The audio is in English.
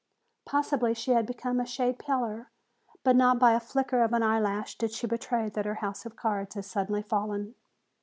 Possibly she had become a shade paler, but not by a flicker of an eyelash did she betray that her house of cards had suddenly fallen.